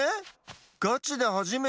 ガチではじめてみた。